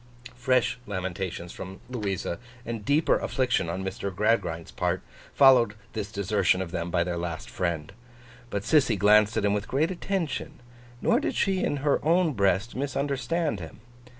Fresh lamentations from Louisa, and deeper affliction on Mr. Gradgrind's part, followed this desertion of them by their last friend. But, Sissy glanced at him with great attention; nor did she in her own breast misunderstand him.